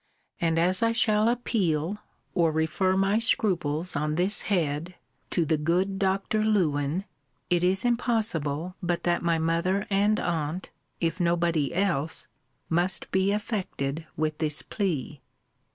And as I shall appeal, or refer my scruples on this head, to the good Dr. Lewen, it is impossible but that my mother and aunt (if nobody else) must be affected with this plea.'